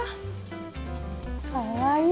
かわいい。